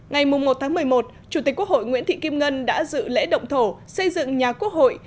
ngày một một mươi một chủ tịch quốc hội nguyễn thị kim ngân đã dự lễ động thổ xây dựng nhà quốc hội